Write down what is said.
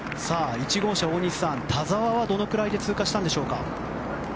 １号車、大西さん田澤はどのくらいで通過したんでしょうか。